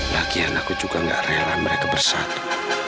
lagian aku juga gak rela mereka bersatu